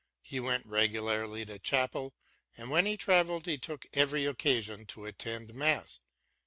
He went regu larly to chapel, and when he travelled he took every occasion to attend mass.